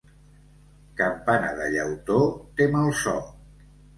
Campana de llautó té mal so.